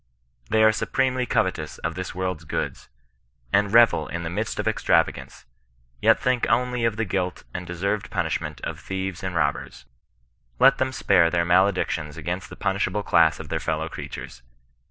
They are supremely covetous of this world's good^ and revel in the midst of extravagance, yet think only of the guHt and deserved punishment of thieves and roo ^rA Let them spare theix maledictions against tiie CHRISTIAN NON BESISTAKCE. 173 punishable class of their fellow creatures.